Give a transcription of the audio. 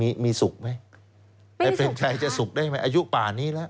อย่างใบอายุป่านนี้แล้วให้เป็นชัยจะสุดได้ไหม